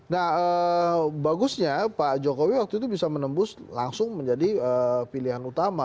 nah bagusnya pak jokowi waktu itu bisa menembus langsung menjadi pilihan utama